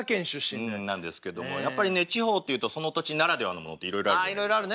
なんですけどもやっぱりね地方っていうとその土地ならではのものっていろいろあるじゃないですか。